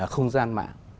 không gian mạng